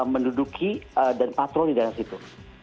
menduduki dan patroli di dalam situ